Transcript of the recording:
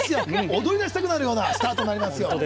踊りだしたくなるようなスタートになりますよ。